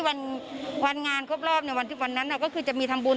วันงานครบรอบในวันนั้นก็คือจะมีทำบุญ